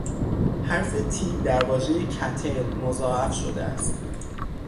حرف "T" در واژهی "cattail" مضاعف شده است.